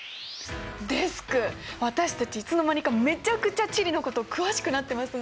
デスク私たちいつの間にかめちゃくちゃ地理のこと詳しくなってますね！